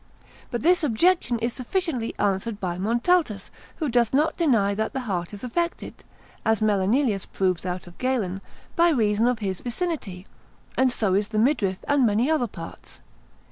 But this objection is sufficiently answered by Montaltus, who doth not deny that the heart is affected (as Melanelius proves out of Galen) by reason of his vicinity, and so is the midriff and many other parts.